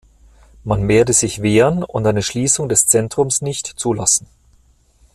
Man werde sich wehren und eine Schließung des Zentrums nicht zulassen.